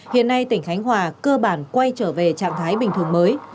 hiện nay tỉnh khánh hòa cơ bản quay trở về trạng thái bình thường mới